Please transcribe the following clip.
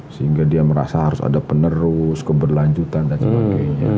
sehingga dia merasa harus ada penerus keberlanjutan dan sebagainya